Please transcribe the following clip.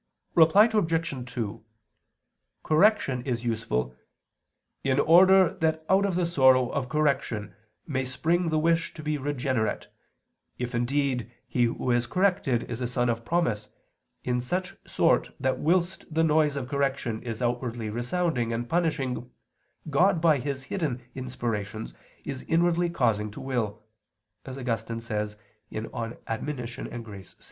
Reply Obj. 2: Correction is useful "in order that out of the sorrow of correction may spring the wish to be regenerate; if indeed he who is corrected is a son of promise, in such sort that whilst the noise of correction is outwardly resounding and punishing, God by hidden inspirations is inwardly causing to will," as Augustine says (De Corr. et Gratia vi).